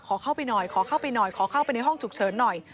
ขอเข้าไปหน่อยขอเข้าไปหน่อยขอเข้าไปในห้องฉุกเฉินหน่อย